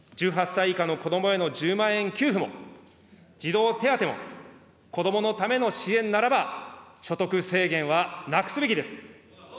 １８歳以下の子どもへの１０万円給付も、児童手当も、子どものための支援ならば、所得制限はなくすべきです。